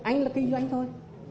anh là kinh doanh thôi